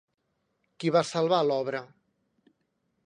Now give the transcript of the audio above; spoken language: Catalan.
Qui va salvar l'obra?